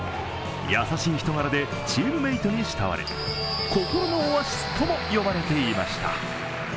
優しい人柄でチームメートに慕われ心のオアシスとも呼ばれていました。